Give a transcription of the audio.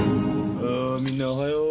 あみんなおはよう。